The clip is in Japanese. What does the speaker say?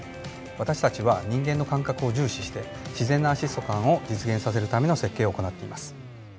私たちは人間の感覚を重視して自然なアシスト感を実現させるための設計を行っています。